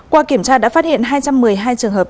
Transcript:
qua kiểm tra đã phát hiện hai trăm một mươi hai trường hợp